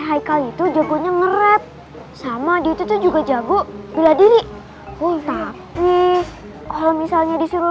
haikal itu jagonya ngeret sama di itu juga jago bila diri pun tapi kalau misalnya disuruh